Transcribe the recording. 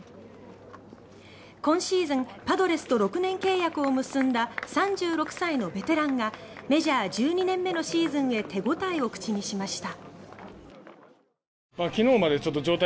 今シーズン、パドレスと６年契約を結んだ３６歳のベテランがメジャー１２年目のシーズンへ手応えを口にしました。